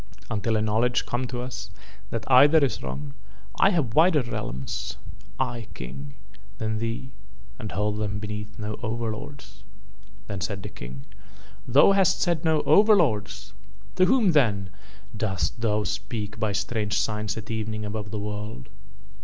Until a knowledge come to us that either is wrong I have wider realms, I King, than thee and hold them beneath no overlords." Then said the King: "Thou hast said no overlords! To whom then dost thou speak by strange signs at evening above the world?"